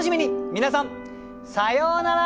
皆さんさようなら！